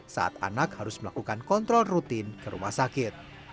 saat anak harus melakukan kontrol rutin ke rumah sakit